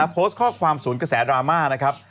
โพสต์ข้อความศูนย์กระแสดราม่านะครับ